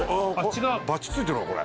バッジ付いてるわこれ。